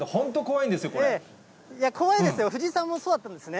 いや、怖いですよ、藤井さんもそうだったんですね。